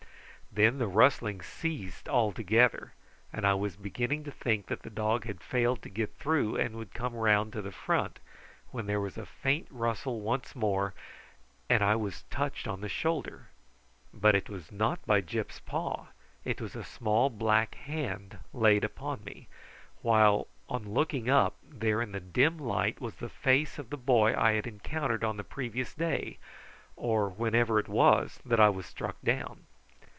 Then the rustling ceased altogether, and I was beginning to think that the dog had failed to get through and would come round to the front, when there was a faint rustle once more, and I was touched on the shoulder. But it was not by Gyp's paw; it was a small black hand laid upon me; while, on looking up, there in the dim light was the face of the boy I had encountered on the previous day, or whenever it was that I was struck down.